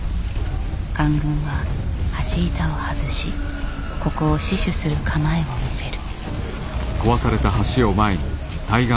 官軍は橋板を外しここを死守する構えを見せる。